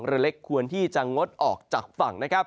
เรือเล็กควรที่จะงดออกจากฝั่ง